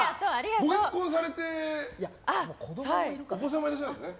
ご結婚されてお子さんもいらっしゃるんですね。